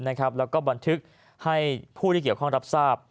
แล้วก็บันทึกให้ผู้ที่เกี่ยวข้องรับทราบ